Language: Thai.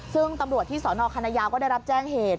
ซึ่งตำรวจที่สนคณะยาวก็ได้รับแจ้งเหตุ